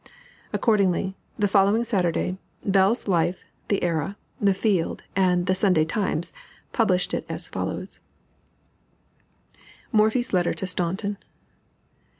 Accordingly, the following Saturday, Bell's Life, The Era, The Field, and the Sunday Times published it as follows: MORPHY'S LETTER TO STAUNTON.